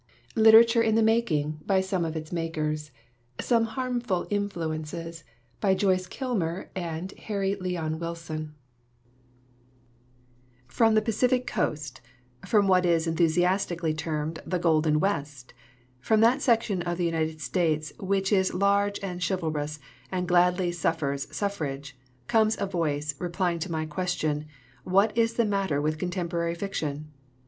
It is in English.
7 SOME HARMFUL INFLUENCES HARRY LEON WILSON SOME HARMFUL INFLUENCES HARRY LEON WILSON FROM the Pacific Coast from what is en thusiastically termed "the Golden West" from that section of the United States which is large and chivalrous and gladly suffers suffrage comes a voice, replying to my question: "What is the matter with contemporary fiction?"